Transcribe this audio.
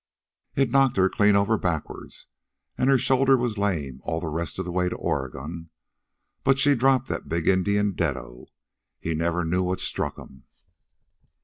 It knocked her clean over backward, an' her shoulder was lame all the rest of the way to Oregon, but she dropped the big Indian deado. He never knew what struck 'm.